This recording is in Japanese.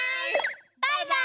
バイバーイ！